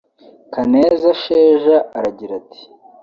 Kaneza Sheja aragira ati